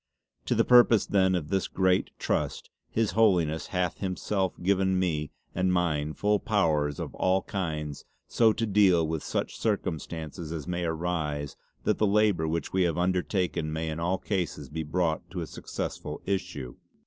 To the purpose then of this great Trust His Holiness hath himself given to me and mine full powers of all kinds so to deal with such circumstances as may arise that the labour which we have undertaken may in all cases be brought to a successful issue.